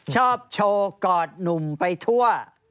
ชอบโชว์กอดหนุ่มไปทั่ว